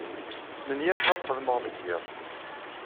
Smenyafeɣ ad xedmeɣ deg yiḍ.